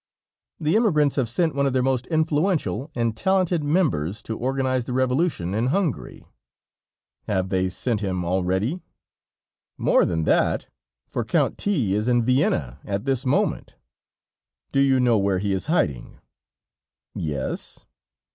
"The emigrants have sent one of their most influential and talented members to organize the revolution in Hungary." "Have they sent him already?" "More than that, for Count T is in Vienna at this moment." "Do you know where he is hiding?" "Yes."